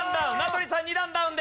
２段ダウン。